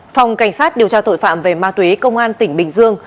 phòng cảnh sát điều tra tội phạm về ma túy công an tỉnh bình dương